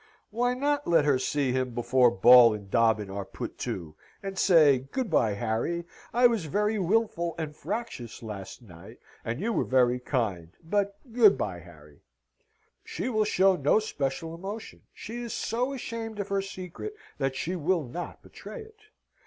Why not let her see him before Ball and Dobbin are put to, and say, "Good bye, Harry! I was very wilful and fractious last night, and you were very kind: but good bye, Harry!" She will show no special emotion: she is so ashamed of her secret, that she will not betray it.